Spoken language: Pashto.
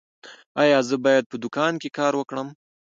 ایا زه باید په دوکان کې کار وکړم؟